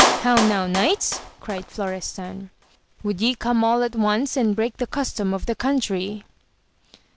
How now knights 1 cried Florestan, would ye come all at once and break the custom of the country?